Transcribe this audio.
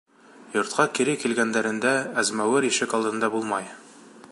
Йортҡа кире килгәндәрендә, әзмәүер ишек алдында булмай.